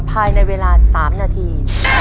ภายในเวลา๓นาที